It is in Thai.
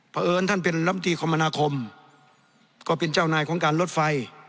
เพราะเอิญท่านเป็นลำตีคมนาคมก็เป็นเจ้านายของการลดไฟ